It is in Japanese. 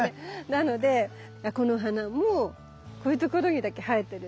なのでこの花もこういう所にだけ生えてるんですね。